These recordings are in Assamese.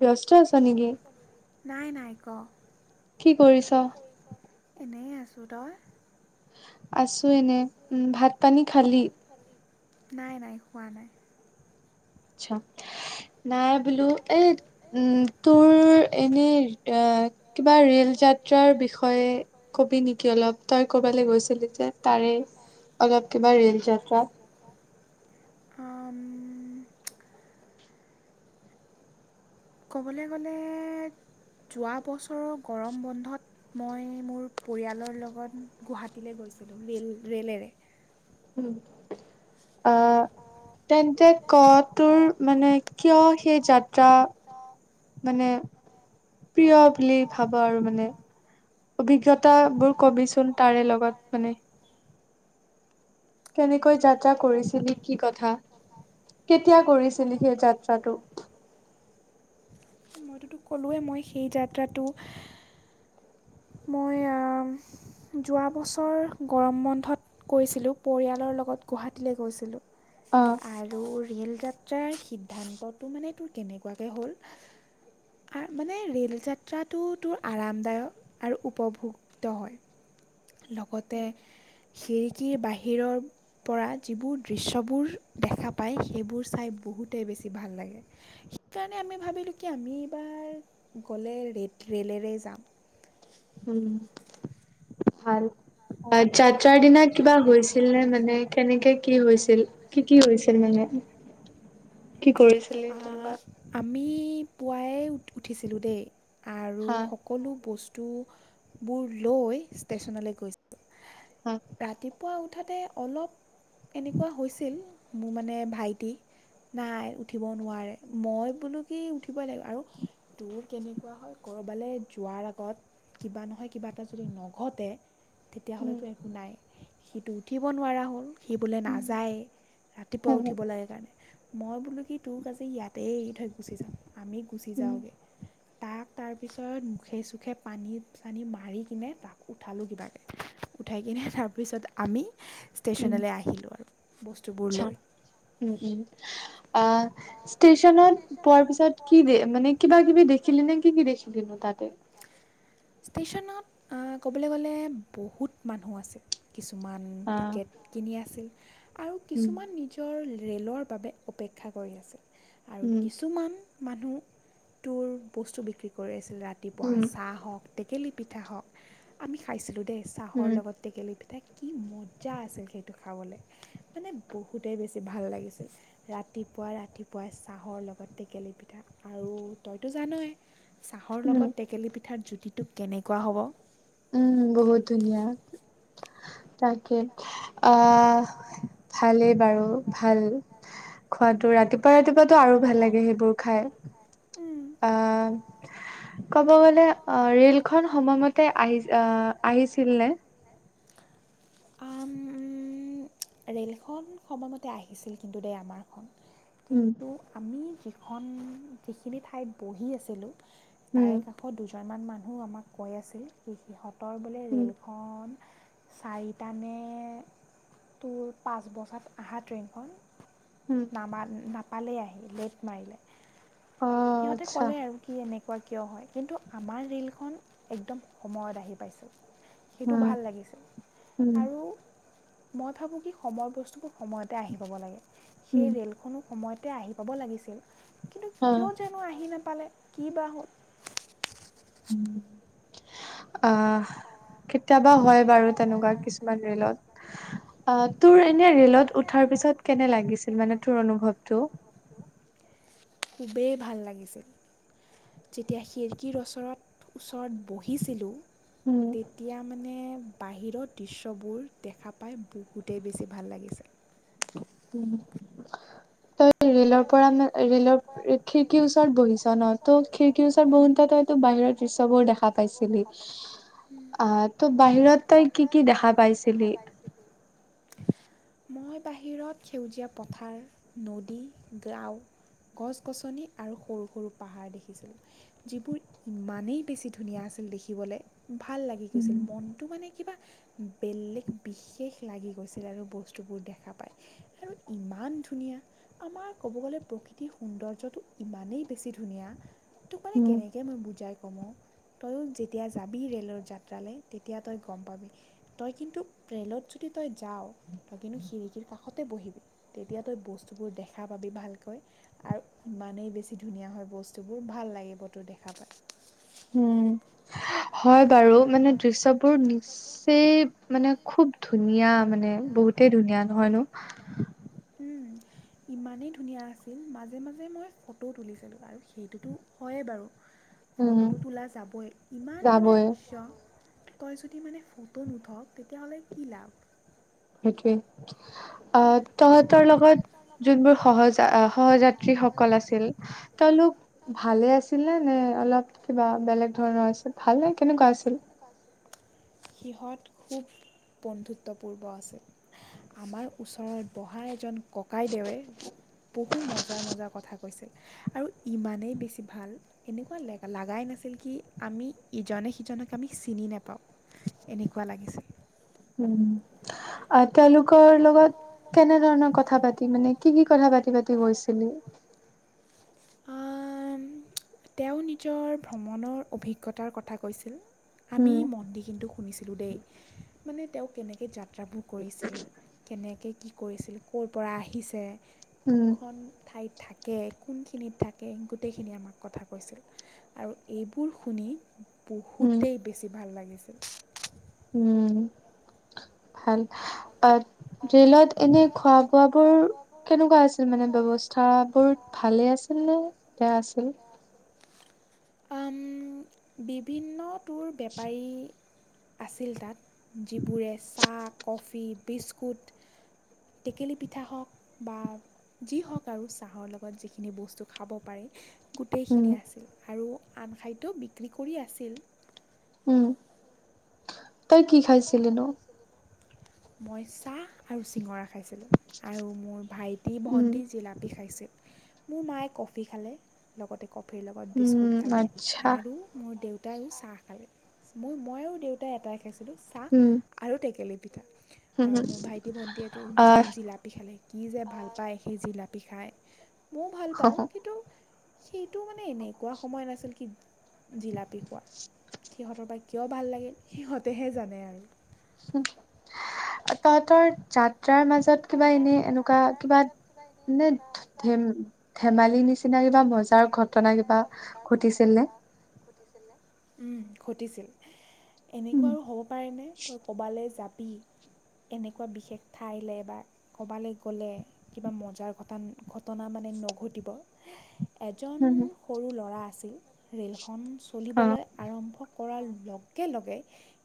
ব্যস্ত আছা নেকি? নাই- নাই ক। কি কৰিছ এনেই আছো তই আছো এনে উ ভাত পানী খালি নাই নাই খোৱা নাই আচ্ছা নাই বোলো এ উম তোৰ এনে কিবা ৰেল যাত্ৰাৰ বিষয়ে কবি নেকি অলপ তই ক'বালৈ গৈছিলি যে তাৰে অলপ কিবা ৰেল যাত্ৰা আম ক'বলৈ গ'লে যোৱা বছৰৰ গৰম বন্ধত মই মোৰ পৰিয়ালৰ লগত গুৱাহাটীলৈ গৈছিলোঁ ৰেল ৰেলেৰে উম অ তেন্তে কত তোৰ মানে কিয় সেই যাত্ৰা মানে প্ৰিয় বুলি ভাব আৰু মানে অভিজ্ঞতা বোৰ কবিচোন তাৰে লগত মানে কেনেকৈ যাত্ৰা কৰিছিলি কি কত হা কেতিয়া কৰিছিলি সেই যাত্ৰাটো কলোৱে মই সেই যাত্ৰাটো মই অম যোৱা বছৰ গৰম বন্ধত গৈছিলো পৰিয়ালৰ লগত গুৱাহাটীলৈ গৈছিলো আৰু ৰিয়েল যাত্ৰাৰ সিদ্ধান্তটো মানে তোৰ কেনেকুৱাকৈ হ'ল আ মানে ৰে'ল যাত্ৰাটো তোৰ আৰামদায়ক আৰু উপভোক্ত হয় লগতে খিৰিকীৰ বাহিৰৰ পৰা যিবোৰ দৃশ্যবোৰ দেখা পায় সেইবোৰ চাই বহুতেই বেছি ভাল লাগে সেইকাৰণে আমি ভাবিলো কি আমি এইবাৰ গ'লে ৰে'লেৰে যাম উম ভাল অ যাত্ৰাৰ দিনা কিবা হৈছিল নে মানে কেনেকে কি হৈছিল কি কি হৈছিল মানে আ আমি পুৱাই উঠিছিলো দেই আৰু সকলো বস্তু ু বু বোৰ লৈ ষ্টেশচনলৈ গৈছো ৰাতিপুৱা উ ঠাতে অলপ এনেকুৱা হৈছিল, মোৰ মানে ভাইটি নাই উঠিব নোৱাৰে। মই বোলো কি উঠিবই লাগিব আৰু তোৰ কেনেকুৱা হয় ক'ৰবালৈ যোৱাৰ আগত কিবা নহয় কিবা এটা যদি নঘটে তেতিয়াহ'লেতো এ সি টো উঠিব নোৱাৰা হ'ল। সি বোলে নাযায়, ৰাতিপুৱা উঠিব লাগে কাৰণে। মই বোলো কি তোক আজি ইয়াতেই এৰি থৈ গুচি যাম। আমি গুচি যাওঁগৈ। তাক তাৰপিছত মুখে-চুখে পানী-চানী মাৰি কিনে তাক উঠালোঁ কিবাকৈ। উঠাই কিনে তাৰপিছত আমি ষ্টেচনলৈ আহিলোঁ আৰু বস্তুবোৰ লৈ। অ ষ্টেচনত পোৱাৰ পিছত কি দে মানে, কিবা কিবি দেখিলে নে কি কি দেখিলে নো তাতে? ষ্টেচনত আ ক'বলৈ গ'লে বহুত মানুহ আছিল। কিছুমান টিকেট কিনি আছিল আৰু কিছুমান নিজৰ ৰে'লৰ বাবে অপেক্ষা কৰি আছিল। আৰু কিছুমান মানুহ তোৰ বস্তু বিক্ৰী কৰি আছিল। ৰাতিপুৱা চাহ হওঁক টেকেলি পিঠা হওঁক আমি খাইছিলোঁ। চাহৰ লগতে টেকেলি পি এয়া কি মজ্জা আছিল সেইটো খাবলৈ, মানে বহুতেই বেছি ভাল লাগিছিল। ৰাতিপুৱা ৰাতিপুৱাই চাহৰ লগত টেকেলি পিঠা আৰু তইতো জানোয় চাহৰ লগত টেকেলি পিঠাৰ জুত তিটো কেনেকুৱা হ'ব? উম বহুত ধুনীয়া তাকে। আ ভালেই বাৰু ভাল খোৱাতো। ৰাতিপুৱা ৰাতিপুৱাটো আৰু ভাল লাগে সেইবোৰ খাই। আ ক'ব গ'লে অ ৰে'লখন সময়মতে অ আহিছিল নে? আম ৰে'লখন সময়মতে আহিছিল কিন্তু দেই আমাৰখন। কিন্তু আমি যি খন যিখিনি ঠাইত বহি আছিলোঁ তাৰে কাষত দুজনমান মানুহ মানুহ আমাক কৈ আছিল সি সিহঁত তৰ বোলে ৰে'লখন চাৰিটা নে তোৰ পাঁচ বজাত অহা ট্ৰেইনখন নামা ন পালে আহি লেট মাৰিলে সিহঁতে ক'লে আৰু কি এনেকে এনেকুৱা কিয় হয় কিন্তু আমাৰ ীলখন একদম সময়ত আহি পাইছো সেইটো ভাল লাগিছে আৰু মই ভাবো কি সময়ৰ বস্তুবোৰ সময়তে আহি পাব লাগে সেই ৰেলখনো সময়তে আহি পাব লাগিছিল কিন্তু কিয় জনো আহি নাপালে কি বা হল উম আহ কেতিয়াবা হয় বাৰু তেনেকুৱা কিছুমান ৰেলত আহ তোৰ এনে ৰেলত উঠাৰ পিছত কেনে লাগিছিল মানে তোৰ অনুভৱটো খুবেই ভাল লাগিছিল যেতিয়া খিৰিকীৰ ওচৰত ওচৰত বহিছিলোঁ তেতিয়া মানে বাহিৰৰ দৃশ্যবোৰ দেখা পাই বহুতেই বেছি ভাল লাগিছে। উম তই ৰেলৰ পৰা মা- ৰেলৰ পৰা ম ৰেলৰ খিৰ ওচৰত বহিছা ন ত খিৰকিৰ ওচৰত বহি তাই ত বাহিৰত দৃশ্যবোৰ দেখা পাইছিলি আহ ত বাহিৰত তাই কি কি দেখা পাইছিলি মই বাহিৰত সেউজীয়া পথাৰ, নদী, গাঁও গছ গছনি আৰু সৰু সৰু পাহাৰ দেখিছিলোঁ যিবোৰ ইমানেই বেছি ধুনীয়া আছিল দেখিবলৈ ভাল লাগি গৈছিল মনটো মানে কিবা বেলেগ বিশেষ লাগি গৈছিল আৰু বস্তুবোৰ দেখা পায় আৰু ইমান ধুনীয়া আমাৰ ক'ব গ'লে প্ৰকৃ- তি সৌন্দৰ্যটো ইমানেই বেছি ধুনীয়া তোক মানে কেনেক মই বুজাই- কম তইয়ো যেতিয়া যাবি ৰে'লৰ যাত্ৰালৈ তেতিয়া তই গম পাবি তই কিন্তু ৰে'লত যদি তই যাৱওঁ তই কিন্তু খিৰিকীৰ কাষতে বহিবি তেতিয়া তই বস্তুবোৰ দেখা পাবি ভালকৈ। আৰু ইমানেই বেছি ধুনীয়া হয় বস্তুবোৰ ভাল লাগিব তোৰ দেখা পায়। উম হয় বাৰু মানে দৃশ্যবোৰ নিচ্চেই মানে খুব ধুনীয়া মানে বহুত সেই ধুনীয়া নহয় নো ইমানেই ধুনীয়া আছিল মাজে মাজে মই ফটো তুলিছিলোঁ আৰু সেইটোতো হয়েই বাৰু ফটোতো তোলা যাবই ইমান ধুনীয়া দৃশ্য তই যদি মানে ফটো নুঠ তেতিয়া হ'লে কি লাভ সেইটোৱে আহ তহঁতৰ লগত যোনবোৰ সহজ সহযাত্ৰী সকল আছিল তেওঁলোক ভালে আছিল নে নে অলপ কিবা বেলেগ ধৰণৰ আছিল ভাল নে কেনেকুৱা আছিল সিহঁত খুব বন্ধুত্বপূৰ্ব আছিল আমাৰ ওচৰত বহা এজন ককাইদেৱে বহু মজাৰ মজাৰ কথা কৈছে। আৰু ইমানেই বেছি ভাল এনেকুৱা লগাই নাছিল কি আমি ইজনে সিজনকে আমি চিনি নাপাওঁ এনেকুৱা লাগিছিল। উম, আ তেওঁলোকৰ লগত কেনে ধৰণৰ কথা পাতি মানে কি কি কথা পাতি পাতি গৈছিলি? আ ন তেওঁ নিজৰ ভ্ৰমণৰ অভিজ্ঞতাৰ কথা কৈছিল। আমি মন্দি কিন্তু শুনিছিলোঁ দেই। মানে তেওঁক কেনেকে যাত- যাত্ৰাবোৰ কৰিছিল। কেনেকৈ কি কৰিছিল ক'ৰ পৰা আহিছে কোনখন ঠাইত থাকে। থাকে কোনখিনিত থাকে গোটেইখিনি আমাক কথা কৈছিল আৰু এইবোৰ শুনি। বহুতেই বেছি ভাল লাগে। [unintelligible] উম, ভাল। ৰে'লত এনেই খোৱা বোৱাবোৰ কেনেকুৱা আছিল মানে ব্যৱস্থাবোৰ ভালেই আছিল নে বেয়া আছিল? আম, বিভিন্ন। তোৰ বেপাৰী। আছিল তাত যিবোৰে চাহ কফি বিস্কুট। কুট টেকেলি পিঠা হওক বা যি হওক আৰু চাহৰ লগত যিখিনি বস্তু খাব পাৰি। গোটেইখিনি আছিল আৰু, আন খাদ্য বিক্ৰ্ৰী কৰি আছিল। উম। তই কি খাইছিলি নো? মই চাহ আৰু চিঙৰা খাইছিলোঁ আৰু মোৰ ভাইত। দি ভণ্টি জিলাপি খাইছে। মোৰ মায়ে কফি খালে লগতে। কফিৰ লগত বিস্কুট খালে আৰু মোৰ দেউ। দেউতায়ো চাহ খালে। মই মইও দেউতাই এটাই খাইছিলোঁ। চাহ আৰু টেকেলি। পিঠা। আৰু মোৰ ভাইটি ভণ্টিয়েতো জি জিলাপি খালে। কি যে ভাল পায়? সেই জিলাপি খাই। মইও ভাল পাওঁ কিন্তু, সেইটো মানে এনেকুৱা সময় নাছিল কি। জিলাপী খোৱা সিহঁতৰ বা কিয় ভাল লাগে সিহঁতেহে জানে আৰু। স [inaudible] [unintelligible] তহতৰ যাত্ৰাৰ মাজে কিবা এনেই এনেকুৱা কিবা মানে ধেম ধেমালি নিচিনা কিবা মজাৰ ঘটনা কিবা ঘটিছিল নে? উম্ ঘটিছিল। এনেকুৱা আৰু হ'ব পাৰেনে তই ক'বালে যাব। বি এনেকুৱা বিশেষ ঠাইলে এবাৰ। ক'ৰবালে গ'লে কিবা মজাৰ ঘট ঘটনা মানে নঘটিব। এজন সৰু ল'ৰা আছিল ৰে'ল খন চলিবলৈ আৰম্ভ কৰাৰ লগে লগে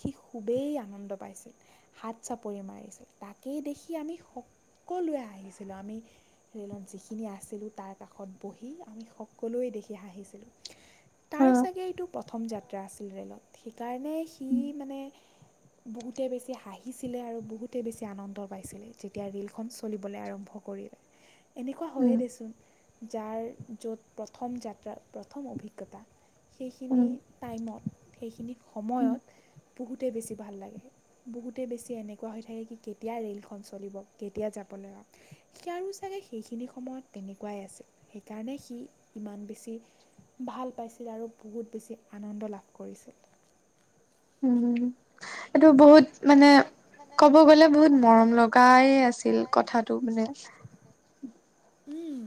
সি খুবেই আনন্দ পাইছিল, হাত চাপৰি মাৰিছিল তাকেই দেখি আমি সকলোৱে হাঁহিছিলো। আমি ৰে'লত যিখিনি আছিলো তাৰ কাষত বহি, আমি সকলোৱে দেখি হাঁহিছিলো। তাৰ চাগে এইটো প্ৰথম যাত ত্ৰা আছিল ৰেলত, সেইকাৰণে সি মানে বহুতে বেছি হাঁহিছিলে আৰু বহুতে বেছি আনন্দ পাইছিল। যেতিয়া ৰে'লখন চলিবলৈ আৰম্ভ কৰিলে এনেকুৱা হয়য়ে দেচোন। যাৰ য'ত প্ৰথম যাত্ৰা, প্ৰথম অভিজ্ঞতা। সেইখিনি টাইমত সেইখিনি সময়ত, বহুতে বেছি ভাল লাগে বহুতে বেছি এনেকুৱা হৈ থাকে কি কেতিয়া ৰেলখন চল চলিব কেতিয়া যাবলৈ। সি আৰু চাগে সেইখিনি সময়ত তেনেকুৱাই আছিল সেইকাৰণে সি ইমান বেছি ভাল পাইছিল আৰু বহুত বেছি আনন্দ লাভ কৰিছিল। উম, এইটো বহুত এইটো বহুত মানে ক'ব গ'লে বহুত মৰম লগাই আছে কথাটো মানে। উম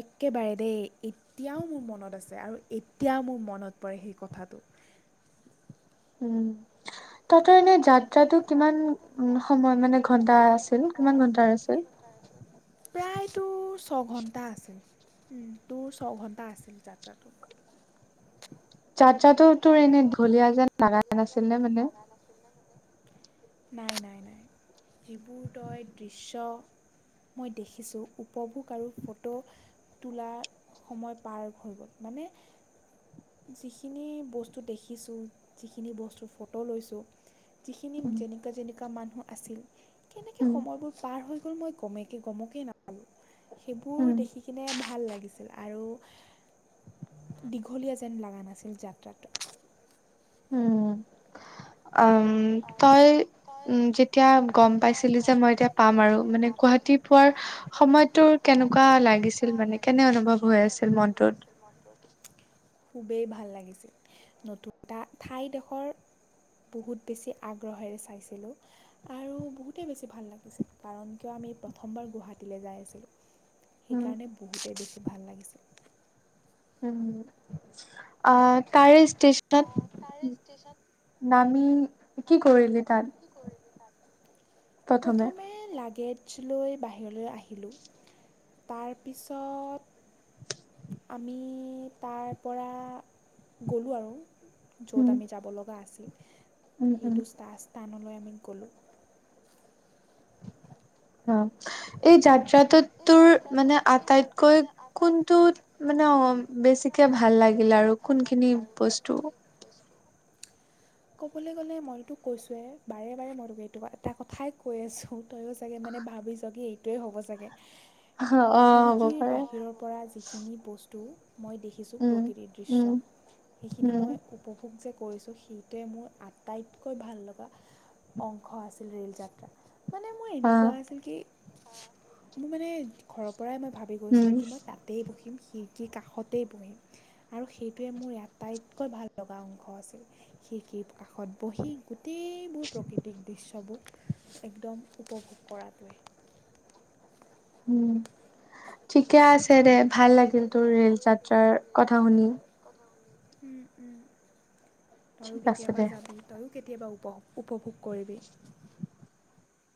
একেবাৰে দেই, এতিয়াও মোৰ মনত আছে আৰু এতিয়াও মোৰ মনত পৰে সেই কথাটো। উম তহঁতৰ এনে যাত্ৰাটো কিমান উ সময় মানে ঘন্টা আছিল, কিমান ঘন্টাৰ আছিল? প্ৰায়তোৰ ছঘণ্টা আছিল, তোৰ ছঘণ্টা আছিল যাত্ৰাটো। যাত্ৰাটোৰ তোৰ এনে দীঘলীয়া যেন লাগা নাছিল নে মানে? নাই নাই নাই। যিবোৰ তই দৃশ্য মই দেখিছোঁ, উপভোগ আৰু ফটো তোলা সময় পাৰ হৈ গ'ল। মানে যিখিনি বস্তু দেখিছোঁ, যিখিনি বস্তুৰ ফটো লৈছোঁ যিখিনি যেনেকুৱা যেনেকুৱা মানুহ আছিল কেনেকে সময়বোৰ পাৰ হৈ গ'ল মই গমেই গমকেই নাপালো। সেইবোৰ দেখি কিনে ভাল লাগে লাগিছিল, আৰু দীঘলীয়া যেন লাগা নাছিল যাত্ৰাত উম, আম তই উ যেতিয়া গম পাইছিলি যে মই এতিয়া পাম আৰু মানে গুৱাহাটী পোৱাৰ সময়টোৰ কেনেকুৱা লাগিছিল মানে, কেনে অনুভৱ হৈ আছিল মনটোত? খুবেই ভাল লাগিছিল। নতুন এটা ঠাইডখৰ, বহুত বেছি আগ্ৰহেৰে পাইছিলোঁ, আৰু বহুতেই বেছি ভাল লাগিছিল কাৰণ কিয় আমি প্ৰথমবাৰ গুৱাহাটীলে যাই আছিলোঁ। সেইকাৰণে বহুতেই দেখি ভাল লাগিছিল। উম, অ তাৰে ষ্টে তাত, নামি কি কৰিলি তাত? প্ৰথমে লাগে লৈ বাহিৰলৈ আহিলোঁ, তাৰপিছত আমি তাৰ পৰা, গালোঁ আৰু য'ত আমি যাব লগা আছিল। সেইটো ষ্টাৰ স্থানলৈ আমি ক'লোঁ অ এই যাত্ৰাত এই যাত্ৰা তোৰ মানে আটাইতকৈ কোনটো মানে অ বেছিকে ভাল লাগিল আৰু কোনখিনি বস্তু ক'বলৈ গ'লে মই তোক কৈছোৱৱেই বাৰে বাৰে মই তোক এইটো এটা কথাই কৈ আছোঁ তয়ো চাগে মানে ভাবি যগি এইটোৱেই হ'ব চাগে খিৰিকীৰ বাহিৰৰ পৰা যিখিনি বস্তু মই দেখিছোঁ প্ৰকৃতিৰ দৃশ্য সেইখিনি মই উপভোগ যে কৰিছোঁ সেইটোৱে মোৰ আটাইতকৈ ভাল লগা অংশ আছে ৰেল যাত্ৰা মানে মোৰ এনেকুৱা আছিল কি মোৰ মানে ঘৰ পৰাই মই ভাবি গৈছিলোঁ কি মই তাতেই বহিম খিকীৰ কাষতেই বহি আৰু সেইটোৱে মোৰ আটাইতকৈ ভাল লগা অংশ আছিল খিকিৰ কাষত বহি গোেই গোটেইবোৰ প্ৰকৃতিক দৃশ্যবোৰ একদম উপভোগ কৰাটোৱে উম ঠিকে আছে দে দে ভাল লাগিল তোৰ ৰেল যাত্ৰাৰ কথা শুনি উম উম তইোও কেতিয়াবা যাবি তই কেতিয়াবা উপ উপভোগ কৰিবি